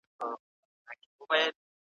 آیا عدالت په ټولنه کي سته؟